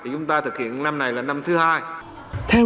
chúng ta thực hiện năm này là năm thứ hai